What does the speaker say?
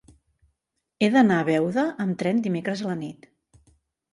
He d'anar a Beuda amb tren dimecres a la nit.